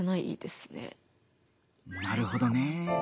なるほどね。